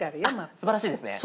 すばらしいですね。